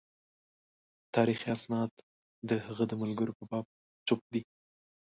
تاریخي اسناد د هغه د ملګرو په باب چوپ دي.